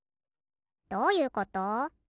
どういうこと？